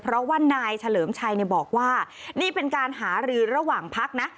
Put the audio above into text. เพราะว่านายเฉลิมชัยบอกว่านี่เป็นการหารือระหว่างพักนะ